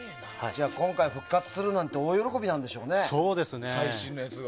じゃあ、今回復活するなんて大喜びなんでしょうね。